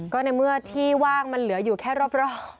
ก็ในเมื่อที่ว่างมันเหลืออยู่แค่รอบ